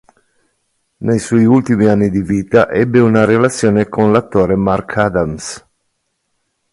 Nei suoi ultimi anni di vita ebbe una relazione con l'attore Marc Adams.